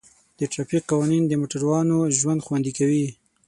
د ټرافیک قوانین د موټروانو ژوند خوندي کوي.